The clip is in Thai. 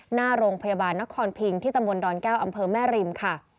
หน้าโรงพยาบาลนครพิงที่ตำบลดอนแก้วอำเภอแม่ริมค่ะ